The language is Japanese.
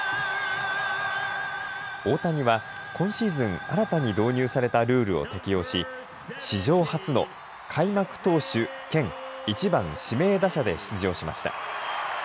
大谷は、今シーズン新たに導入されたルールを適用し、史上初の開幕投手兼１番指名打者で出場しました。